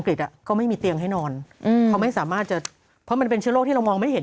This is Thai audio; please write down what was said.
ก็ไม่มีเตียงให้นอนเพราะมันเป็นเชื้อโรคที่เรามองไม่ได้เห็น